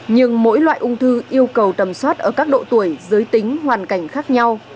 nhưng mỗi loại ung thư yêu cầu tầm soát ở các độ tuổi giới tính hoàn cảnh khác nhau